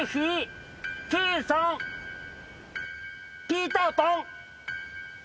ピーター・パン。